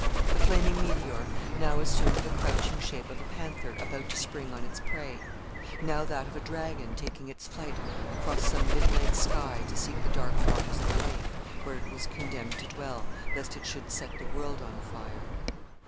The flaming meteor now assumed the crouching shape of a panther about to spring on its prey; now that of a dragon taking its flight across some midnight sky to seek the dark waters of a lake, where it was condemned to dwell, lest it should set the world on fire.